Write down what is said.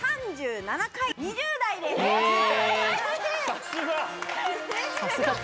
さすが！